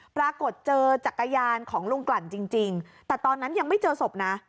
ปรากฏเจอจักรยานของลุงกลั่นจริงแต่ตอนนั้นยังไม่เจอศพนะ